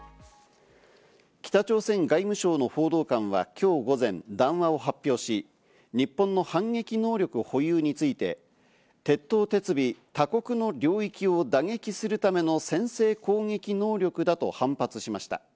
北朝鮮外務省の報道官はきょう午前、談話を発表し、日本の反撃能力保有について、徹頭徹尾、他国の領域を打撃するための先制攻撃能力だと反発しました。